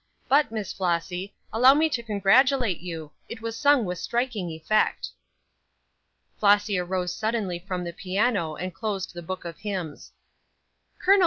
But, Miss Flossy, allow me to congratulate you. It was sung with striking effect." Flossy arose suddenly from the piano, and closed the book of hymns. "Col.